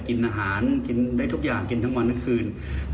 กินอาหารกินได้ทุกอย่างกินทั้งวันทั้งคืน